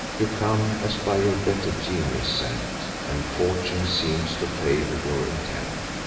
You come, as by your better genius sent, And fortune seems to favour your intent.